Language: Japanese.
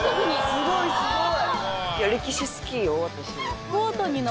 すごいすごい。